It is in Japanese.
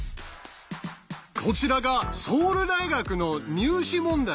こちらがソウル大学の入試問題。